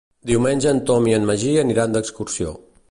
Diumenge en Tom i en Magí aniran d'excursió.